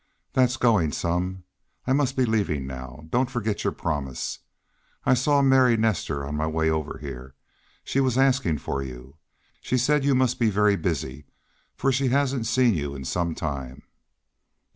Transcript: "That's going some! I must be leaving now. Don't forget your promise. I saw Mary Nestor on my way over here. She was asking for you. She said you must be very busy, for she hadn't seen you in some time."